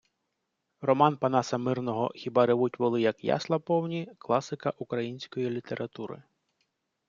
Роман Панаса Мирного "Хіба ревуть воли, як ясла повні" - класика української літератури